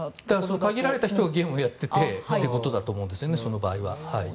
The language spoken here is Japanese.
その限られた人がゲームをやっててということだと思うんですよね、その場合は。